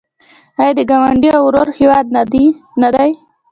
آیا د یو ګاونډي او ورور هیواد نه دی؟